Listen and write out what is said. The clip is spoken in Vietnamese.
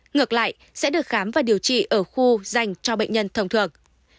ngược lại sẽ được khám và điều trị ở khu dành cho bệnh nhân thông thường